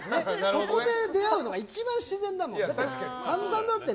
そこで出会うのが一番自然だもん。